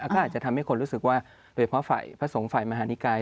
ก็อาจจะทำให้คนรู้สึกว่าโดยเฉพาะโดยเพราะฝ่ายพระสงฆ์ฝ่ายมหานิกาย